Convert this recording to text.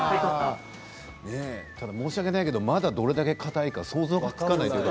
申し訳ないけど、まだどれだけかたいか想像つかない。